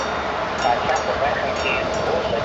د موادو د راټولولو طریقه دقت ته اړتیا لري.